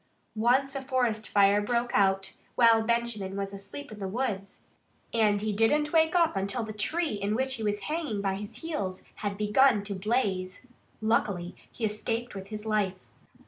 Once a forest fire broke out while Benjamin was asleep in the woods. And he didn't wake up until the tree in which he was hanging by his heels had begun to blaze. Luckily he escaped with his life.